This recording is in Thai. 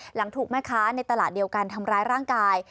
หลังถูกแม่ค้าในตลาดเดียวกันทำร้ายร่างกาย